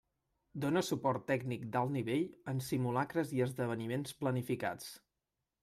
Dóna suport tècnic d'alt nivell en simulacres i esdeveniments planificats.